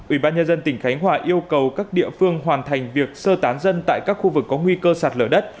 ủy ban nhân dân tỉnh khánh hòa yêu cầu các địa phương hoàn thành việc sơ tán dân tại các khu vực có nguy cơ sạt lở đất